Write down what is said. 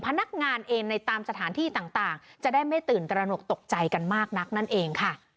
พนักงานเองในตามสถานที่ต่างจะได้ไม่ตื่นตระหนกตกใจกันมากนักนั่นเองค่ะ